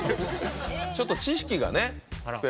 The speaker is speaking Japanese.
ちょっと知識がスペア